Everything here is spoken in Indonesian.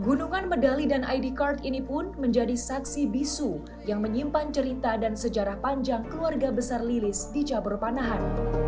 gunungan medali dan id card ini pun menjadi saksi bisu yang menyimpan cerita dan sejarah panjang keluarga besar lilis di cabur panahan